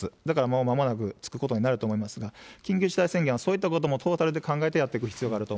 だからもう、まもなくつくことになると思いますが、緊急事態宣言はそういったこともトータルで考えてやっていく必要